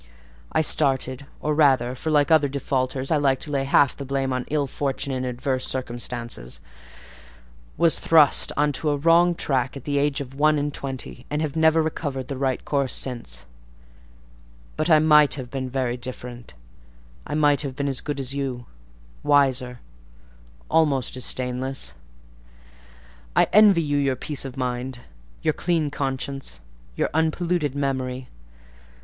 I started, or rather (for like other defaulters, I like to lay half the blame on ill fortune and adverse circumstances) was thrust on to a wrong tack at the age of one and twenty, and have never recovered the right course since: but I might have been very different; I might have been as good as you—wiser—almost as stainless. I envy you your peace of mind, your clean conscience, your unpolluted memory.